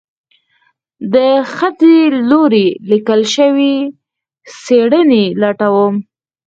د خځې لوري ليکل شوي څېړنې لټوم